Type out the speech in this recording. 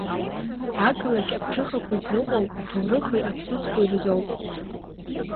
Ақалақь аԥҽыхақәа ззыҟоу аҭоурыхи аԥсыӡқәеи рзоуп…